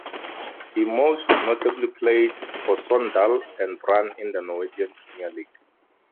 He most notably played for Sogndal and Brann in the Norwegian Premier League.